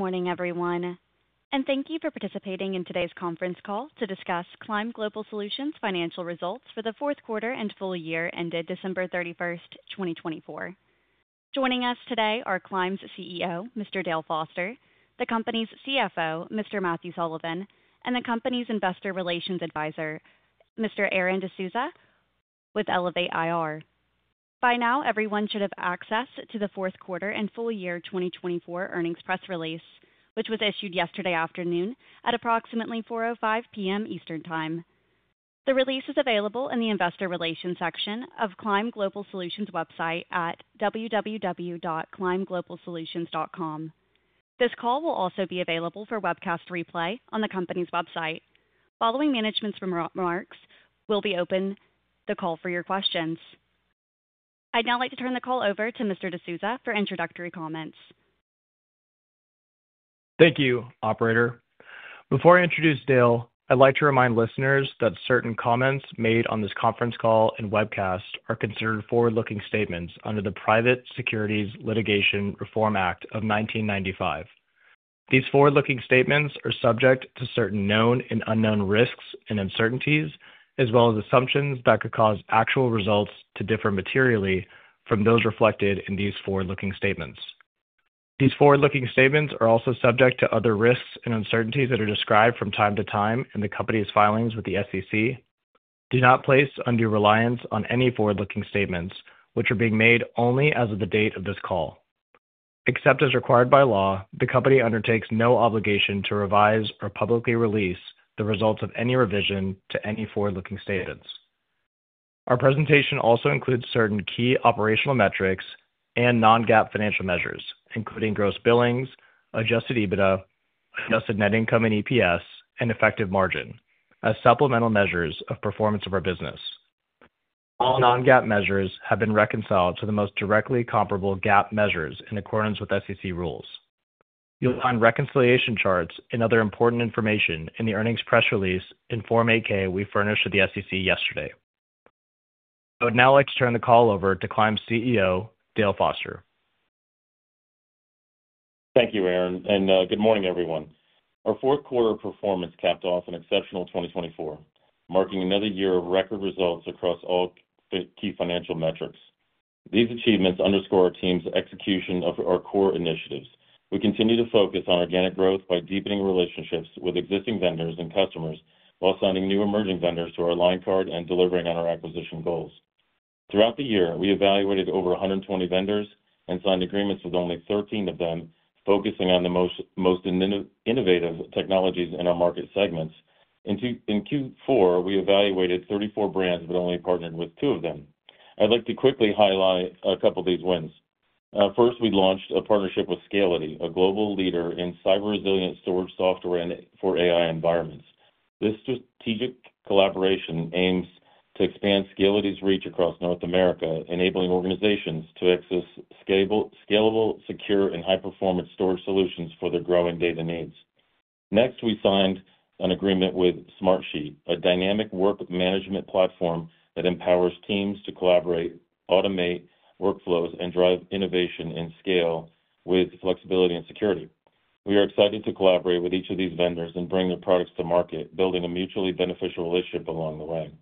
Good morning, everyone, and thank you for participating in today's conference call to discuss Climb Global Solutions' Financial Results for the fourth quarter and full year ended December 31, 2024. Joining us today are Climb's CEO, Mr. Dale Foster; the company's CFO, Mr. Matthew Sullivan; and the company's investor relations advisor, Mr. Aaron D'Souza, with Elevate IR. By now, everyone should have access to the fourth quarter and full year 2024 earnings press release, which was issued yesterday afternoon at approximately 4:05 P.M. Eastern Time. The release is available in the Investor Relations section of Climb Global Solutions' website at www.climbglobalsolutions.com. This call will also be available for webcast replay on the company's website. Following management's remarks, we'll open the call for your questions. I'd now like to turn the call over to Mr. D'Souza for introductory comments. Thank you, Operator. Before I introduce Dale, I'd like to remind listeners that certain comments made on this conference call and webcast are considered forward-looking statements under the Private Securities Litigation Reform Act of 1995. These forward-looking statements are subject to certain known and unknown risks and uncertainties, as well as assumptions that could cause actual results to differ materially from those reflected in these forward-looking statements. These forward-looking statements are also subject to other risks and uncertainties that are described from time to time in the company's filings with the SEC. Do not place undue reliance on any forward-looking statements, which are being made only as of the date of this call. Except as required by law, the company undertakes no obligation to revise or publicly release the results of any revision to any forward-looking statements. Our presentation also includes certain key operational metrics and non-GAAP financial measures, including gross billings, adjusted EBITDA, adjusted net income and EPS, and effective margin as supplemental measures of performance of our business. All non-GAAP measures have been reconciled to the most directly comparable GAAP measures in accordance with SEC rules. You'll find reconciliation charts and other important information in the earnings press release in Form 8-K we furnished to the SEC yesterday. I would now like to turn the call over to Climb's CEO, Dale Foster. Thank you, Aaron, and good morning, everyone. Our fourth quarter performance capped off an exceptional 2024, marking another year of record results across all key financial metrics. These achievements underscore our team's execution of our core initiatives. We continue to focus on organic growth by deepening relationships with existing vendors and customers while signing new emerging vendors to our line card and delivering on our acquisition goals. Throughout the year, we evaluated over 120 vendors and signed agreements with only 13 of them, focusing on the most innovative technologies in our market segments. In Q4, we evaluated 34 brands but only partnered with two of them. I'd like to quickly highlight a couple of these wins. First, we launched a partnership with Scality, a global leader in cyber-resilient storage software for AI environments. This strategic collaboration aims to expand Scality's reach across North America, enabling organizations to access scalable, secure, and high-performance storage solutions for their growing data needs. Next, we signed an agreement with Smartsheet, a dynamic work management platform that empowers teams to collaborate, automate workflows, and drive innovation and scale with flexibility and security. We are excited to collaborate with each of these vendors and bring their products to market, building a mutually beneficial relationship along the way.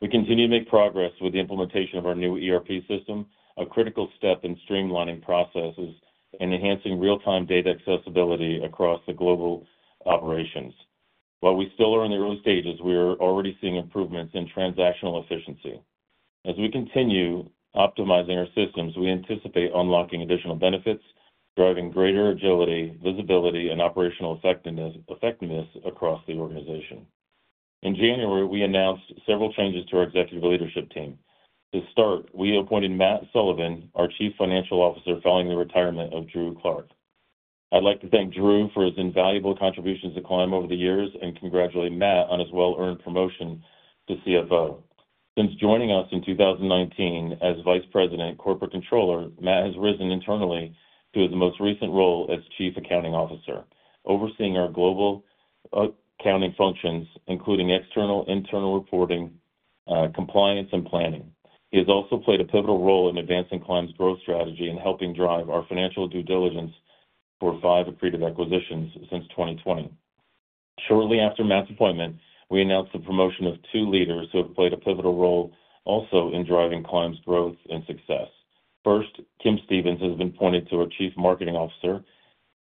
We continue to make progress with the implementation of our new ERP system, a critical step in streamlining processes and enhancing real-time data accessibility across the global operations. While we still are in the early stages, we are already seeing improvements in transactional efficiency. As we continue optimizing our systems, we anticipate unlocking additional benefits, driving greater agility, visibility, and operational effectiveness across the organization. In January, we announced several changes to our executive leadership team. To start, we appointed Matt Sullivan, our Chief Financial Officer, following the retirement of Drew Clark. I'd like to thank Drew for his invaluable contributions to Climb over the years and congratulate Matt on his well-earned promotion to CFO. Since joining us in 2019 as Vice President, Corporate Controller, Matt has risen internally to his most recent role as Chief Accounting Officer, overseeing our global accounting functions, including external, internal reporting, compliance, and planning. He has also played a pivotal role in advancing Climb's growth strategy and helping drive our financial due diligence for five accretive acquisitions since 2020. Shortly after Matt's appointment, we announced the promotion of two leaders who have played a pivotal role also in driving Climb's growth and success. First, Kim Stevens has been appointed to our Chief Marketing Officer.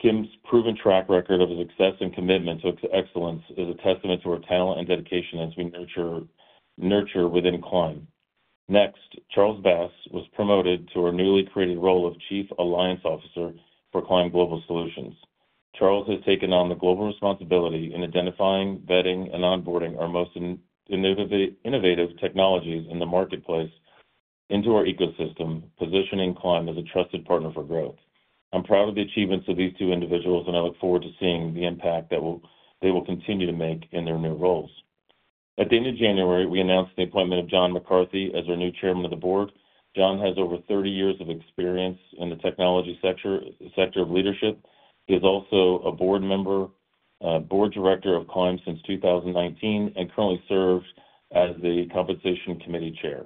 Kim's proven track record of success and commitment to excellence is a testament to her talent and dedication as we nurture within Climb. Next, Charles Bass was promoted to our newly created role of Chief Alliance Officer for Climb Global Solutions. Charles has taken on the global responsibility in identifying, vetting, and onboarding our most innovative technologies in the marketplace into our ecosystem, positioning Climb as a trusted partner for growth. I'm proud of the achievements of these two individuals, and I look forward to seeing the impact that they will continue to make in their new roles. At the end of January, we announced the appointment of John McCarthy as our new Chairman of the Board. John has over 30 years of experience in the technology sector of leadership. He is also a board member, board director of Climb since 2019, and currently serves as the Compensation Committee Chair.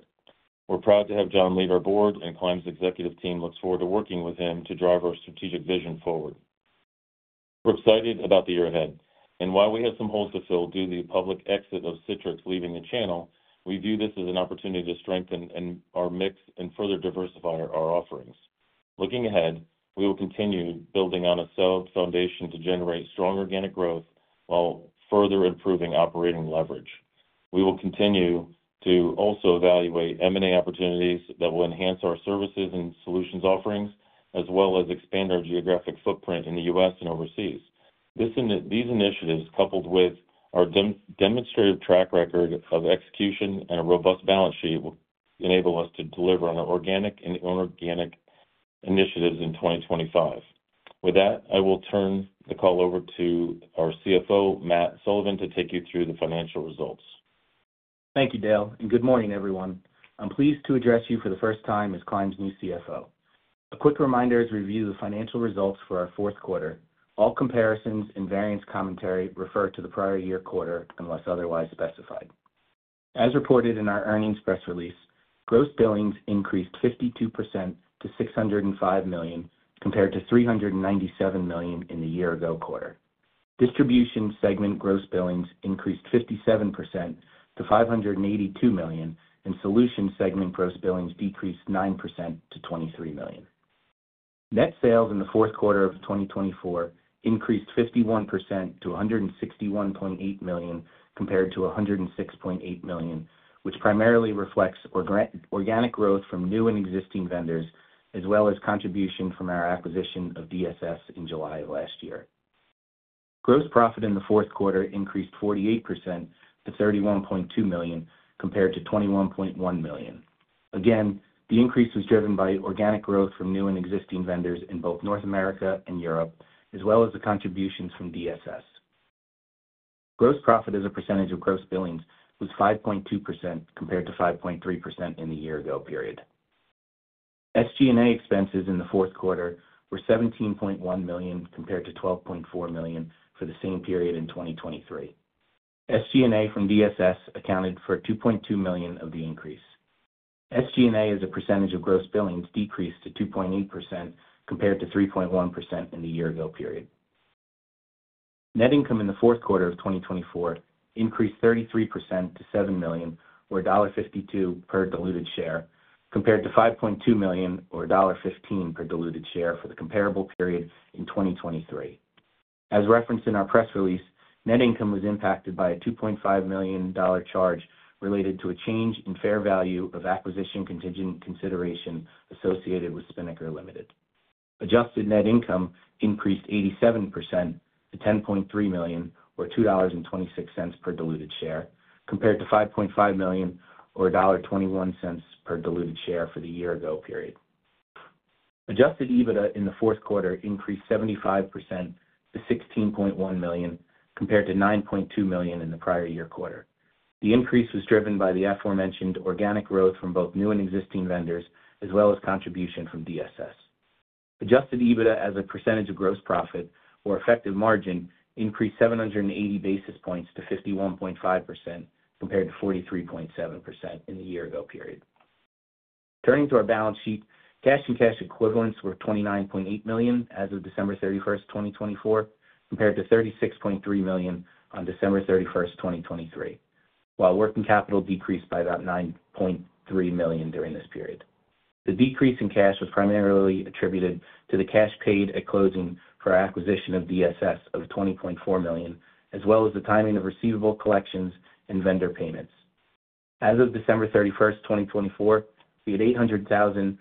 We're proud to have John lead our board, and Climb's executive team looks forward to working with him to drive our strategic vision forward. We're excited about the year ahead. While we have some holes to fill due to the public exit of Citrix leaving the channel, we view this as an opportunity to strengthen our mix and further diversify our offerings. Looking ahead, we will continue building on a solid foundation to generate strong organic growth while further improving operating leverage. We will continue to also evaluate M&A opportunities that will enhance our services and solutions offerings, as well as expand our geographic footprint in the U.S. and overseas. These initiatives, coupled with our demonstrative track record of execution and a robust balance sheet, will enable us to deliver on our organic and inorganic initiatives in 2025. With that, I will turn the call over to our CFO, Matt Sullivan, to take you through the financial results. Thank you, Dale. Good morning, everyone. I'm pleased to address you for the first time as Climb's new CFO. A quick reminder as we review the financial results for our fourth quarter. All comparisons and variance commentary refer to the prior year quarter unless otherwise specified. As reported in our earnings press release, gross billings increased 52% to $605 million, compared to $397 million in the year-ago quarter. Distribution segment gross billings increased 57% to $582 million, and solution segment gross billings decreased 9% to $23 million. Net sales in the fourth quarter of 2024 increased 51% to $161.8 million, compared to $106.8 million, which primarily reflects organic growth from new and existing vendors, as well as contribution from our acquisition of DSS in July of last year. Gross profit in the fourth quarter increased 48% to $31.2 million, compared to $21.1 million. Again, the increase was driven by organic growth from new and existing vendors in both North America and Europe, as well as the contributions from DSS. Gross profit as a percentage of gross billings was 5.2%, compared to 5.3% in the year-ago period. SG&A expenses in the fourth quarter were $17.1 million, compared to $12.4 million for the same period in 2023. SG&A from DSS accounted for $2.2 million of the increase. SG&A as a percentage of gross billings decreased to 2.8%, compared to 3.1% in the year-ago period. Net income in the fourth quarter of 2024 increased 33% to $7 million, or $1.52 per diluted share, compared to $5.2 million, or $1.15 per diluted share for the comparable period in 2023. As referenced in our press release, net income was impacted by a $2.5 million charge related to a change in fair value of acquisition contingent consideration associated with Spinnaker Limited. Adjusted net income increased 87% to $10.3 million, or $2.26 per diluted share, compared to $5.5 million, or $1.21 per diluted share for the year-ago period. Adjusted EBITDA in the fourth quarter increased 75% to $16.1 million, compared to $9.2 million in the prior year quarter. The increase was driven by the aforementioned organic growth from both new and existing vendors, as well as contribution from DSS. Adjusted EBITDA as a percentage of gross profit or effective margin increased 780 basis points to 51.5%, compared to 43.7% in the year-ago period. Turning to our balance sheet, cash and cash equivalents were $29.8 million as of December 31, 2024, compared to $36.3 million on December 31, 2023, while working capital decreased by about $9.3 million during this period. The decrease in cash was primarily attributed to the cash paid at closing for acquisition of DSS of $20.4 million, as well as the timing of receivable collections and vendor payments. As of December 31, 2024, we had $800,000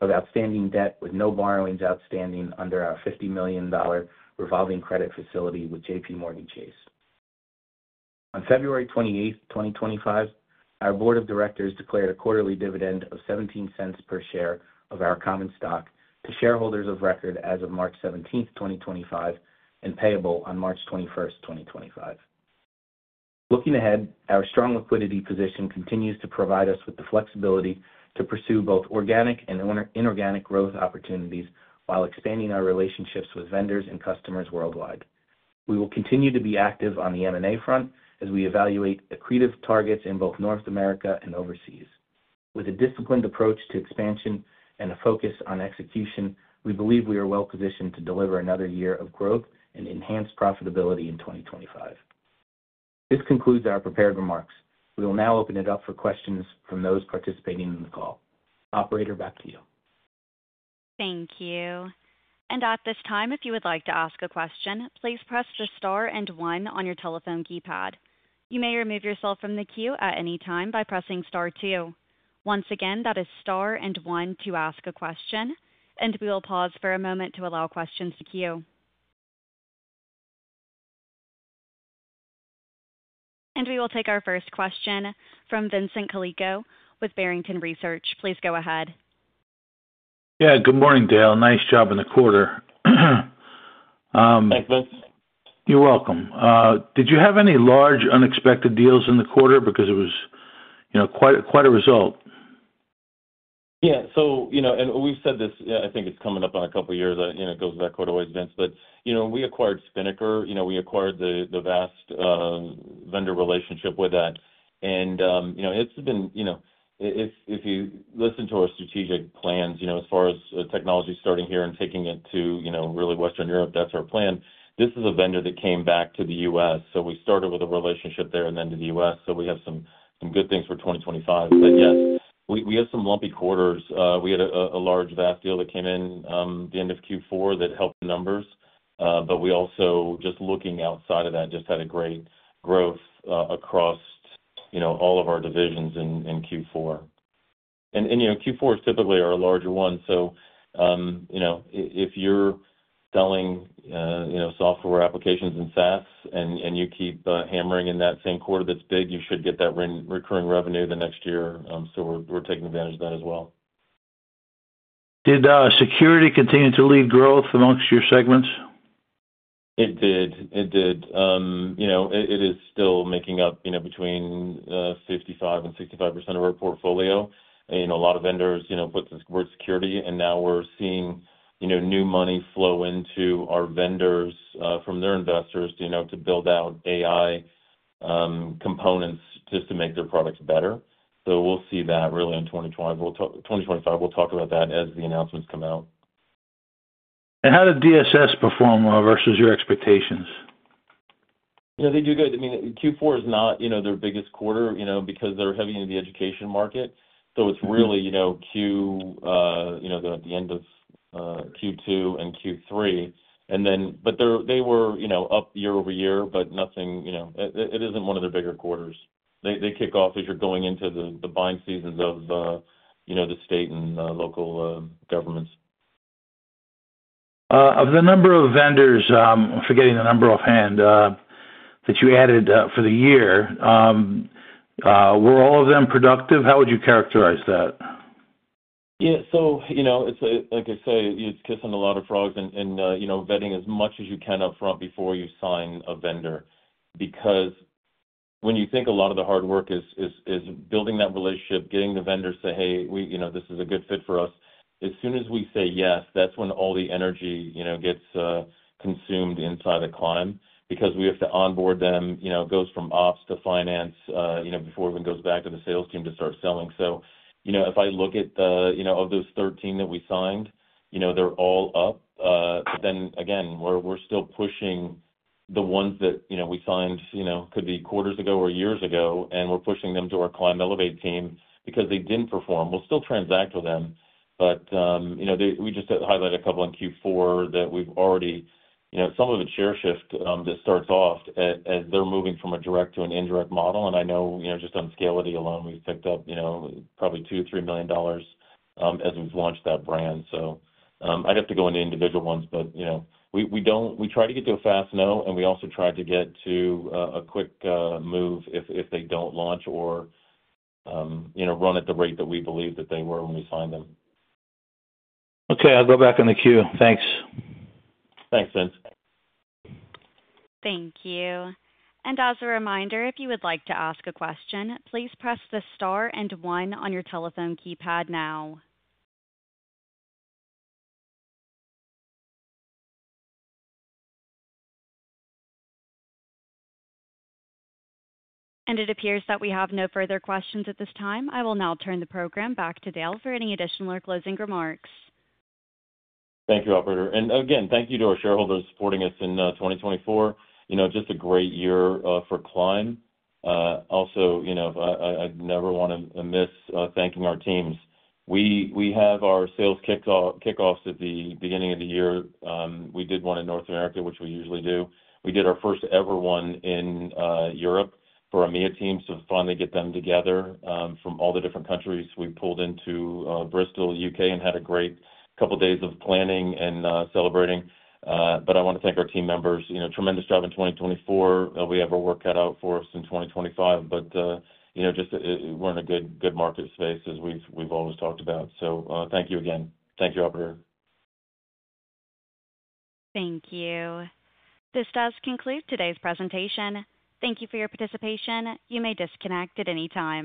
of outstanding debt with no borrowings outstanding under our $50 million revolving credit facility with JPMorgan Chase. On February 28, 2025, our Board of Directors declared a quarterly dividend of $0.17 per share of our common stock to shareholders of record as of March 17, 2025, and payable on March 21, 2025. Looking ahead, our strong liquidity position continues to provide us with the flexibility to pursue both organic and inorganic growth opportunities while expanding our relationships with vendors and customers worldwide. We will continue to be active on the M&A front as we evaluate accretive targets in both North America and overseas. With a disciplined approach to expansion and a focus on execution, we believe we are well-positioned to deliver another year of growth and enhanced profitability in 2025. This concludes our prepared remarks. We will now open it up for questions from those participating in the call. Operator, back to you. Thank you. At this time, if you would like to ask a question, please press the star and one on your telephone keypad. You may remove yourself from the queue at any time by pressing star two. Once again, that is star and one to ask a question. We will pause for a moment to allow questions to queue. We will take our first question from Vincent Colicchio with Barrington Research. Please go ahead. Yeah. Good morning, Dale. Nice job in the quarter. Thanks, Vince. You're welcome. Did you have any large unexpected deals in the quarter? Because it was quite a result. Yeah. We've said this, I think it's coming up on a couple of years. It goes back quite a way, Vince. We acquired Spinnaker. We acquired the VAST vendor relationship with that. If you listen to our strategic plans, as far as technology starting here and taking it to really Western Europe, that's our plan. This is a vendor that came back to the U.S. We started with a relationship there and then to the U.S. We have some good things for 2025. Yes, we have some lumpy quarters. We had a large VAST deal that came in the end of Q4 that helped the numbers. Also, just looking outside of that, we just had great growth across all of our divisions in Q4. Q4 is typically our larger one. If you're selling software applications and SaaS and you keep hammering in that same quarter, that's big, you should get that recurring revenue the next year. We're taking advantage of that as well. Did security continue to lead growth amongst your segments? It did. It did. It is still making up between 55% and 65% of our portfolio. A lot of vendors put the word security, and now we're seeing new money flow into our vendors from their investors to build out AI components just to make their products better. We will see that really in 2025. We will talk about that as the announcements come out. How did DSS perform versus your expectations? They do good. I mean, Q4 is not their biggest quarter because they're heavy into the education market. So it's really at the end of Q2 and Q3. They were up year over year, but it isn't one of their bigger quarters. They kick off as you're going into the buying seasons of the state and local governments. Of the number of vendors, forgetting the number offhand, that you added for the year, were all of them productive? How would you characterize that? Yeah. Like I say, it's kissing a lot of frogs and vetting as much as you can upfront before you sign a vendor. Because when you think a lot of the hard work is building that relationship, getting the vendor to say, "Hey, this is a good fit for us." As soon as we say yes, that's when all the energy gets consumed inside of Climb because we have to onboard them. It goes from ops to finance before it even goes back to the sales team to start selling. If I look at those 13 that we signed, they're all up. Then again, we're still pushing the ones that we signed could be quarters ago or years ago, and we're pushing them to our Climb Elevate team because they didn't perform. We'll still transact with them, but we just highlighted a couple in Q4 that we've already, some of it's share shift that starts off as they're moving from a direct to an indirect model. I know just on Scality alone, we've picked up probably $2 million-$3 million as we've launched that brand. I'd have to go into individual ones, but we try to get to a fast no, and we also try to get to a quick move if they don't launch or run at the rate that we believe that they were when we signed them. Okay. I'll go back on the queue. Thanks. Thanks, Vince. Thank you. As a reminder, if you would like to ask a question, please press the star and one on your telephone keypad now. It appears that we have no further questions at this time. I will now turn the program back to Dale for any additional or closing remarks. Thank you, Operator. Thank you to our shareholders supporting us in 2024. Just a great year for Climb. Also, I never want to miss thanking our teams. We have our sales kickoffs at the beginning of the year. We did one in North America, which we usually do. We did our first ever one in Europe for our EMEA team. Finally get them together from all the different countries. We pulled into Bristol, U.K., and had a great couple of days of planning and celebrating. I want to thank our team members. Tremendous job in 2024. We have our work cut out for us in 2025, but we are in a good market space, as we've always talked about. Thank you again. Thank you, Operator. Thank you. This does conclude today's presentation. Thank you for your participation. You may disconnect at any time.